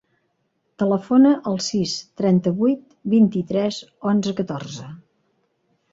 Telefona al sis, trenta-vuit, vint-i-tres, onze, catorze.